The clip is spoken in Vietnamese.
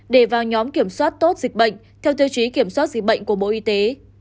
để vào nhóm kiểm soát tốt dịch bệnh theo tiêu chí kiểm soát dịch bệnh của bộ y tế